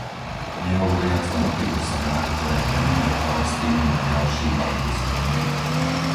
Nehovoriac o nových osadách, ktoré premenia Palestínu na ďalší Bantustan.